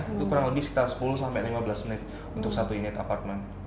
itu kurang lebih sekitar sepuluh sampai lima belas menit untuk satu unit apartemen